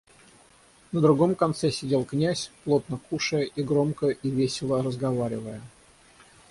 На другом конце сидел князь, плотно кушая и громко и весело разговаривая.